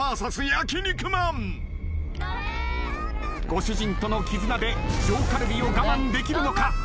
ご主人との絆で上カルビを我慢できるのか？